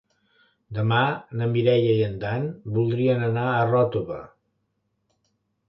Demà na Mireia i en Dan voldrien anar a Ròtova.